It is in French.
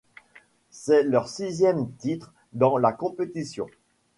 C'est leur sixième titre dans la compétition.